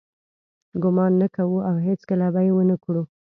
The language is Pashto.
ګمان نه کوو او هیڅکله به یې ونه کړو.